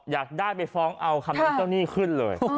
อยากได้ไปฟ้องเอาคำนั้นเจ้าหนี้ขึ้นเลย